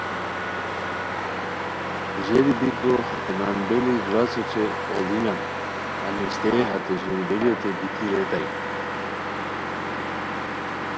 ژیری بیکو ہتے نان بیلی گراس اوچے اوڑینان امیشتئے ہتے ژوربیلیوتے دیتی ریتائے